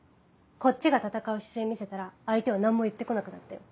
こっちが戦う姿勢見せたら相手は何も言ってこなくなったよ。